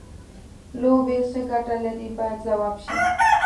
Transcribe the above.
لوبې څه ګټه لري باید ځواب شي.